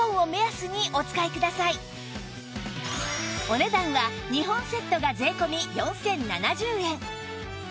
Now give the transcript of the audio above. お値段は２本セットが税込４０７０円